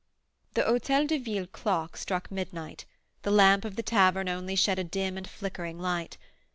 The Hotel de Ville clock struck midnight; the lamp of the tavern only shed a dim and flickering light.